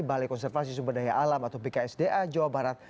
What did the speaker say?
balai konservasi sumber daya alam atau bksda jawa barat